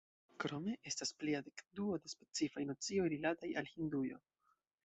Krome estas plia dekduo de specifaj nocioj rilataj al Hindujo.